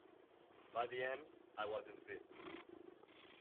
By the end, I was in bits.